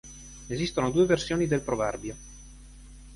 Esistono due versioni del proverbio.